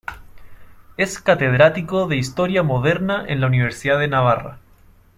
Es catedrático de Historia Moderna en la Universidad de Navarra.